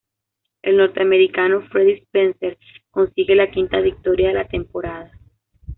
El norteamericano Freddie Spencer consigue la quinta victoria de la temporada.